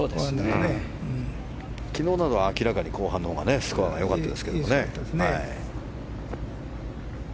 昨日のほうが明らかに後半のほうがスコアが良かったですけどね。